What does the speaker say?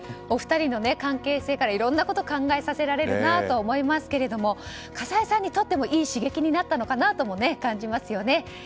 お二人の関係性からいろいろなことを考えさせられるなと思いますけれども葛西さんにとってもいい刺激になったのかなとも感じますよね。